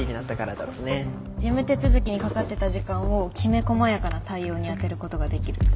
事務手続きにかかってた時間をきめこまやかな対応に充てることができる。